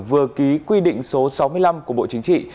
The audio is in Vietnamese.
vừa ký quy định số sáu mươi năm của bộ chính trị